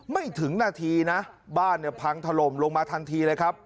ไม่ถึงนาทีนะบ้านเนี่ยพังถล่มลงมาทันทีเลยครับ